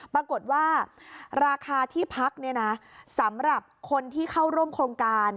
ปรากฏว่าราคาที่พักสำหรับคนที่เข้าร่วมโครงการ